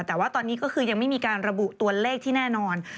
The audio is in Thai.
แต่ว่าตอนนี้ก็คือยังไม่มีการระบุตัวเลขที่แน่นอน